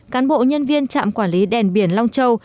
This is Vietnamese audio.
cán bộ nhân viên trạm quản lý đèn biển long châu